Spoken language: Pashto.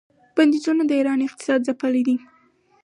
بندیزونو د ایران اقتصاد ځپلی دی.